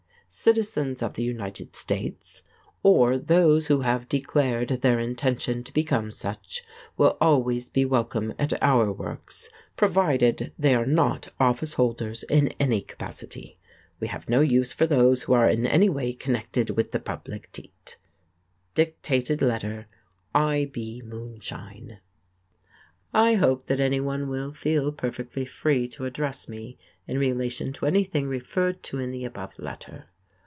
Citizens of the United States, or those who have declared their intention to become such, will always be welcome at our works, provided they are not office holders in any capacity. We have no use for those who are in any way connected with the public teat. Dictated letter. I. B. MOONSHINE. I hope that any one will feel perfectly free to address me in relation to anything referred to in the above letter.